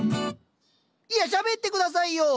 いやしゃべって下さいよ！